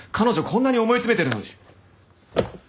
こんなに思い詰めてるのに。